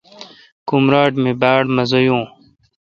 کمراٹ می باڑ مزا یون۔